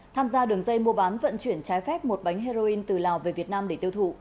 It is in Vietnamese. tham gia đường dây mua bán vận chuyển trái phép một bánh heroin từ lào về việt nam để tiêu thụ